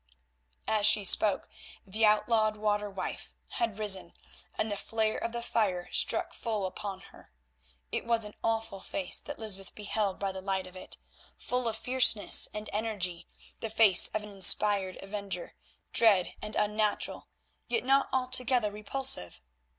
As she spoke, the outlawed Water Wife had risen, and the flare of the fire struck full upon her. It was an awful face that Lysbeth beheld by the light of it, full of fierceness and energy, the face of an inspired avenger, dread and unnatural, yet not altogether repulsive.